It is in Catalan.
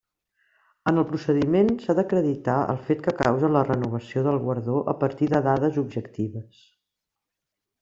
En el procediment s'ha d'acreditar el fet que causa la revocació del Guardó a partir de dades objectives.